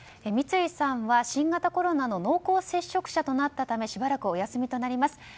三井さんは新型コロナの濃厚接触者となったためしばらくお休みとなります。